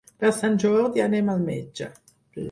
Per Sant Jordi anem al metge.